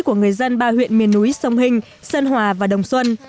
của người dân ba huyện miền núi sông hình sơn hòa và đồng xuân